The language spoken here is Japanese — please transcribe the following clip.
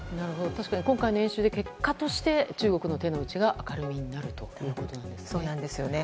確かに今回の演習で結果として中国の手の内が明るみになるということなんですね。